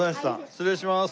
失礼します。